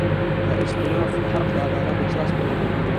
د استیناف حق د عدالت احساس پیاوړی کوي.